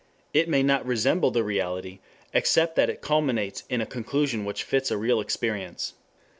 It may not resemble the reality, except that it culminates in a conclusion which fits a real experience.